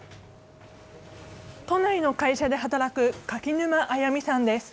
都内の会社で働く柿沼理美さんです。